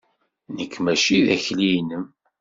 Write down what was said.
Nekk mačči d akli-inem.